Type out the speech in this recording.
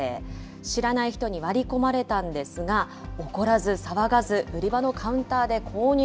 知らない人に割り込まれたんですが、怒らず騒がず、売り場のカウンターで購入。